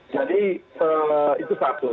jadi itu satu